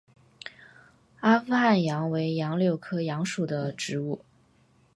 阿富汗杨为杨柳科杨属的植物。